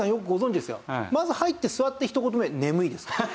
まず入って座ってひと言目「眠い」ですから。